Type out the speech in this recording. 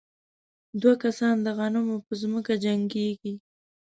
دوه کسان د غنمو په ځمکه جنګېږي.